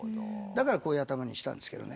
だからこういう頭にしたんですけどね。